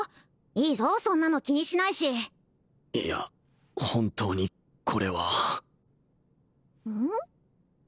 いいぞそんなの気にしないしいや本当にこれはうん？